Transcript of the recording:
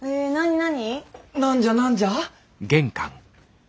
何じゃ何じゃ？